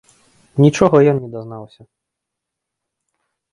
Нічога ён не дазнаўся.